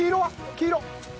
黄色。